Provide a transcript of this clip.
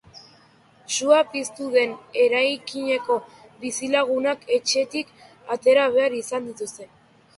Sua piztu den eraikineko bizilagunak etxetik atera behar izan dituzte.